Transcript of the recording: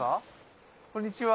こんにちは。